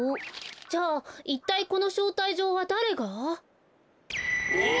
じゃいったいこのしょうたいじょうはだれが？